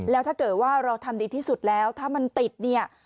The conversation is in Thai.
แล้วถ้าเกิดว่าเราทำดีที่สุดแล้วถ้ามันติดเนี่ย